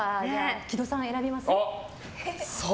木戸さん、選びます？